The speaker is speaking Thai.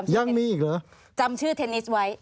ยังมีอีกเหรอจำชื่อเทนนิสไว้